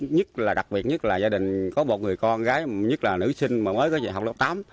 nhất là đặc biệt nhất là gia đình có một người con gái nhất là nữ sinh mà mới có dạy học lớp tám